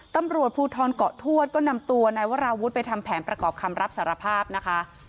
ตำรวจภูทรเกาะทวดก็นำตัวนายวราวุฒิไปทำแผนประกอบคำรับสารภาพนะคะ